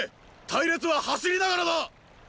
隊列は走りながらだ！